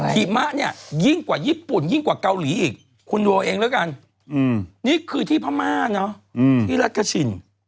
หิมะเนี่ยยิ้งกว่าญี่ปุ่นยิ้งกว่ากาวรีอีกคุณรู้อย่างไรกันนี่คือที่พระมาศเนาะที่รัชกาชิน